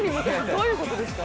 どういうことですか？